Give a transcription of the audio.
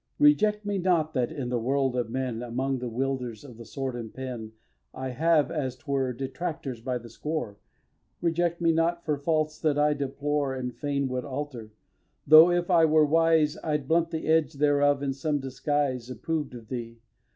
xvii. Reject me not that in the world of men, Among the wielders of the sword and pen I have, as 'twere, detractors by the score, Reject me not for faults that I deplore And fain would alter, though, if I were wise, I'd blunt the edge thereof in some disguise Approved of thee!